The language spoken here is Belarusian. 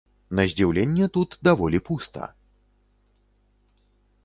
На здзіўленне, тут даволі пуста.